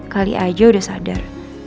kali aja sudah sadar